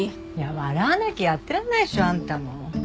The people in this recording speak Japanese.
笑わなきゃやってらんないでしょあんたも。